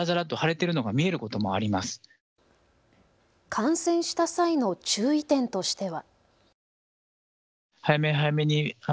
感染した際の注意点としては。